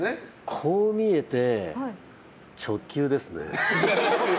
こう見えて、直球ですね。